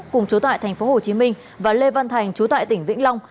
cùng chú tại thành phố hồ chí minh và lê văn thành chú tại tỉnh vĩnh long